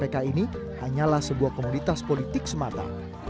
tapi pada saat ini hanyalah sebuah komoditas politik semata